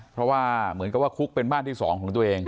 เพราะว่าเหมือนกับว่าคุกเป็นบ้านที่๒ของตัวเอง